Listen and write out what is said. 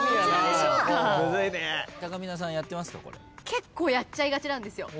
結構やっちゃいがちなんですよ。